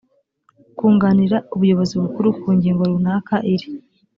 kunganira ubuyobozi bukuru ku ngingo runaka iri